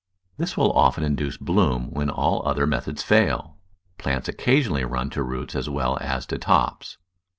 This will often induce bloom when all other methods fail. Plants occasionally run to roots as well to tops.